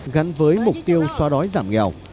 gắn với mục tiêu xóa đói giảm nghèo